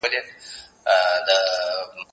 زه هره ورځ سبزیجات وچوم